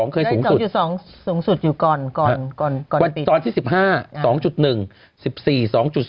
๒๒เคยสูงสุด